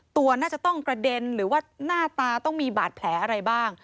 ตัวน่าจะต้องกระเด็นหรือว่าหน้าตาต้องมีบาดแผลอะไรบ้าง